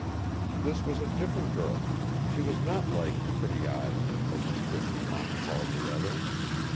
This was a different girl. She was not like Pretty Eyes, as his twisted mind called the other.